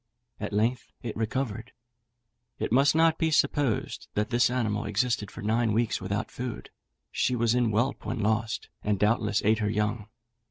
At length it recovered. It must not be supposed that this animal existed for nine weeks without food; she was in whelp when lost, and doubtless ate her young.